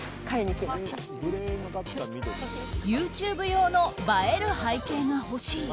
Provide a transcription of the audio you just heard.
ＹｏｕＴｕｂｅ用の映える背景が欲しい。